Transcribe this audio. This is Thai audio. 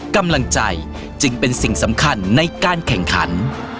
กำลังใจจึงเป็นสิ่งสำคัญในการแข่งขัน